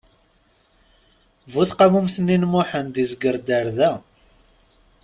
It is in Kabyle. Bu tqamumt-nni n Muḥend izger-d ar da.